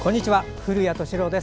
古谷敏郎です。